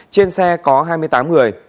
trên xe có hai mươi tám người